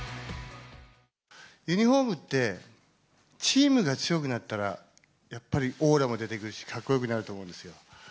ユニホームって、チームが強くなったら、やっぱりオーラも出てくるし、かっこよくなると思うんですよ。